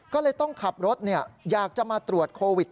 ก็เลยต้องขับรถอยากจะมาตรวจโควิด